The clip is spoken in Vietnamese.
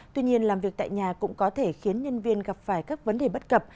tuy nhiên làm việc tại nhà cũng có thể khiến nhân viên gặp phải các vấn đề bất cập